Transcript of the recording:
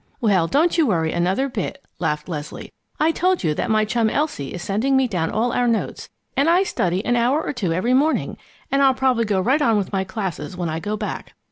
"Well, don't you worry another bit!" laughed Leslie. "I told you that my chum Elsie is sending me down all our notes, and I study an hour or two every morning, and I'll probably go right on with my classes when I go back.